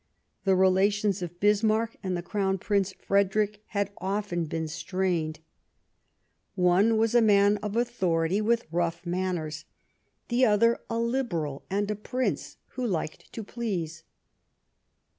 The relations of Bismarck and the Crown Prince Frederick had often been strained. One was a man 220 Last Fights of authority, with rough manners ; the other a Liberal, and a Prince who hked to please.